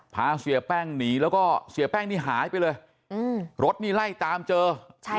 พาเสียแป้งหนีแล้วก็เสียแป้งนี่หายไปเลยอืมรถนี่ไล่ตามเจอใช่